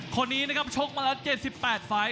คนนี้นะครับชกมาแล้ว๗๘ไฟล์